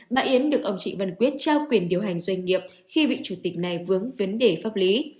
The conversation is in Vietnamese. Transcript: bà yến được ông trịnh văn quyết trao quyền điều hành doanh nghiệp khi vị chủ tịch này vướng vấn đề pháp lý